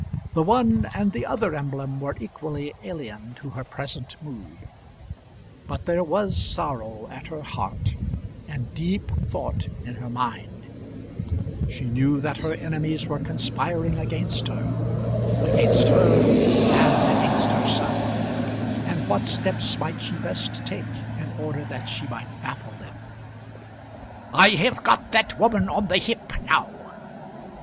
The one and the other emblem were equally alien to her present mood. But there was sorrow at her heart, and deep thought in her mind. She knew that her enemies were conspiring against her, against her and against her son; and what steps might she best take in order that she might baffle them? [Illustration: There was sorrow in her heart, and deep thought in her mind.] "I have got that woman on the hip now."